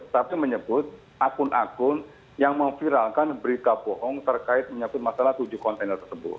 tapi menyebut akun akun yang memviralkan berita bohong terkait menyangkut masalah tujuh kontainer tersebut